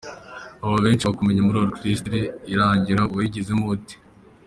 Ubu abenshi bakumenye muri Orchestre Irangira, wayigezemo ute?.